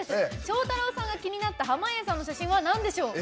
ショウタロウさんが気になった濱家さんの写真は何でしょう？